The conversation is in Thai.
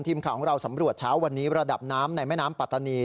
ทีมข่าวของเราสำรวจเช้าวันนี้ระดับน้ำในแม่น้ำปัตตานี